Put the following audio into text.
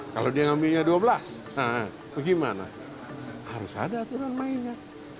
kalau dia ambilnya dua belas bagaimana harus ada aturan lainnya